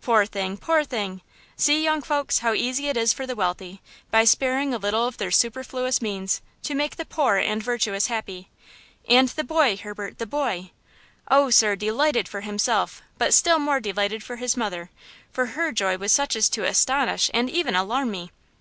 "Poor thing! poor thing! See, young folks, how easy it is for the wealthy, by sparing a little of their superfluous means, to make the poor and virtuous happy! And the boy, Herbert, the boy?" "Oh, sir! delighted for himself, but still more delighted for his mother; for her joy was such as to astonish and even alarm me!